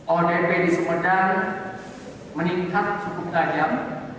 odp di sumedang meningkat cukup gajah